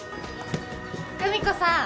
久美子さん。